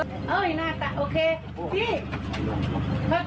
ไปเอาคืนแรง